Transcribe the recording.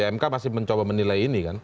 mk masih mencoba menilai ini kan